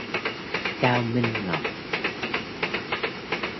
Cao Minh Ngoc